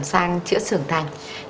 sang sữa sưởng thành